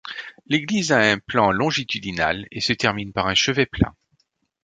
L'église a un plan longitudinal et se termine par un chevet plat.